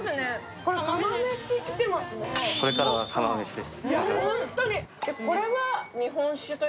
これからは釜飯です。